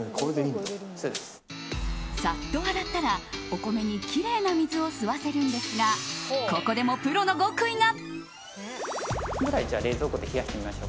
サッと洗ったら、お米にきれいな水を吸わせるんですがここでもプロの極意が。